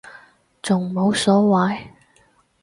仲冇所謂